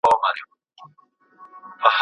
شاعر د موسیقۍ سره شعر جوړوي.